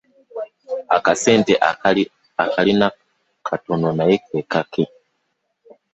Akasente alina katono naye ke kake.